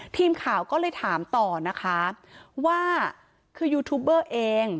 ทีมข่าวก็เลยถามต่อนะคะว่าคือยูทูบเบอร์เอง